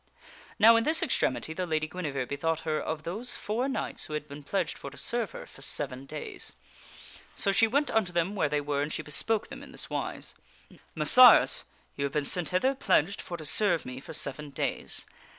Now in this extremity the Lady Guinevere bethought her of those four knights who had been pledged for to serve her for seven days. So she went unto them where they were and she bespoke them in this mere beseech ~ wise :" Messires, ye have been sent hither pledged for to eth aid of the serve me for seven days.